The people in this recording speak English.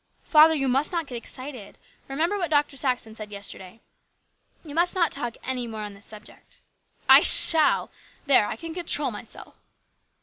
" Father, you must not get excited. Remember what Dr. Saxon said yesterday. You must not talk any more on this subject." " I shall ! There, I can control myself."